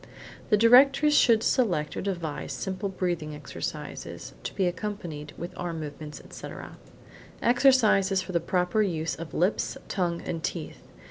The directress should select or devise simple breathing exercises, to be accompanied with arm movements, etc. Exercises for proper use of lips, tongue, and teeth.